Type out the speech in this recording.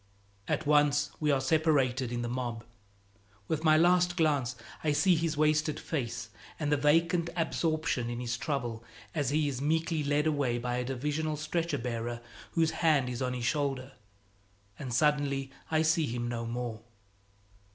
At once we are separated in the mob. With my last glance I see his wasted face and the vacant absorption in his trouble as he is meekly led away by a Divisional stretcher bearer whose hand is on his shoulder; and suddenly I see him no more.